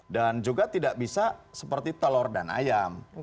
juga tidak bisa seperti telur dan ayam